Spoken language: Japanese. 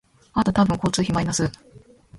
あと多分交通費マイナス